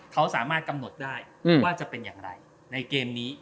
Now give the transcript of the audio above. เขาสามารถกำหนดได้ว่าจะเป็นอย่างไรในเกมนี้